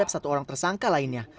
satu orang tersangka lainnya